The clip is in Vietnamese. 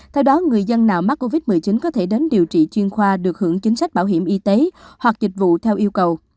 theo đó người dân nào mắc covid một mươi chín có thể đến điều trị chuyên khoa được hưởng chính sách bảo hiểm y tế hoặc dịch vụ theo yêu cầu